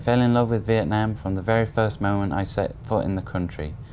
tôi đã yêu việt nam từ những giây phút đầu tiên khi tôi đặt chân tới mảnh đất này